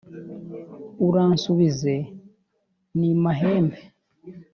uransubize n’i mahembe